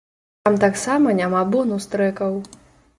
Там таксама няма бонус-трэкаў.